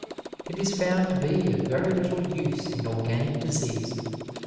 It is found to be of very little use in organic disease.